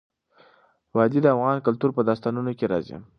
وادي د افغان کلتور په داستانونو کې راځي.